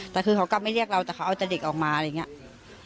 แต่คือเขากลับไม่เรียกเราแต่เขาเอาแต่เด็กออกมาอะไรอย่างนี้